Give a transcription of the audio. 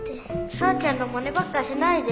さーちゃんのマネばっかしないで。